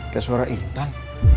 kayak suara intan